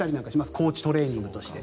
高地トレーニングとして。